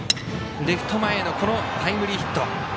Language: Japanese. レフト前のタイムリーヒット。